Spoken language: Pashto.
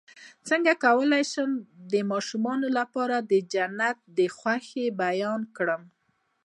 څنګه کولی شم د ماشومانو لپاره د جنت د خوښۍ بیان کړم